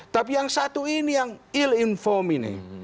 tapi yang satu ini yang earl informed ini